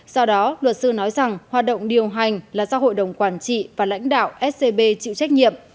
do đó luật sư nói rằng hoạt động điều hành là do hội đồng quản trị và lãnh đạo scb chịu trách nhiệm